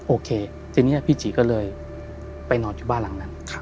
โอเคทีนี้พี่จีก็เลยไปนอนอยู่บ้านหลังนั้น